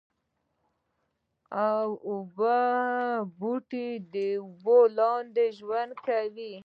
اوبو بوټي د اوبو لاندې ژوند کوي